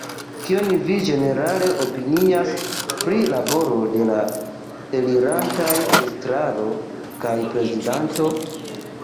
Kion vi ĝenerale opinias pri laboro de la elirantaj estraro kaj prezidanto?